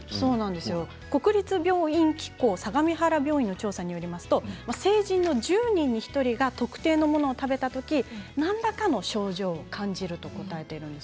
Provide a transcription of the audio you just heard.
国立病院機構相模原病院の調査によりますと成人の１０人に１人が特定のものを食べたときに何らかの症状を感じると答えているんです。